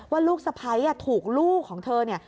ลูกสะพ้ายถูกลูกของเธอเนี่ย